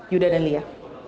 yuda dan lia